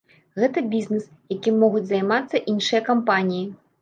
Гэта бізнес, якім могуць займацца іншыя кампаніі.